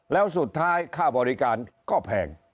แล้วสุดท้ายค่าบริการก็แพง